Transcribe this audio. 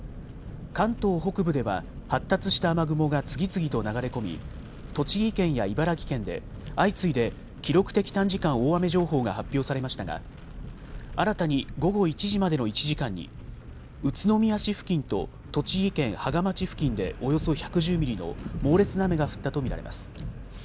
関東北部では発達した雨雲が次々と流れ込み栃木県や茨城県で相次いで記録的短時間大雨情報が発表されましたが新たに午後１時までの１時間に宇都宮市付近と栃木県芳賀町付近でおよそ１１０ミリの猛烈な雨が降ったと見られます。